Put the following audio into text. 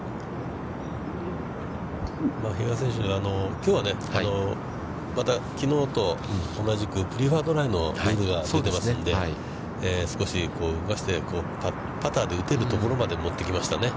比嘉選手が、きょうは、またきのうと同じく、プリファードライのルールが出てますので、少し動かしてパターで打てるところまで持ってきましたよね。